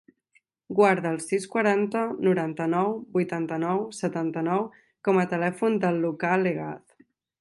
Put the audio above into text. Guarda el sis, quaranta, noranta-nou, vuitanta-nou, setanta-nou com a telèfon del Lucà Legaz.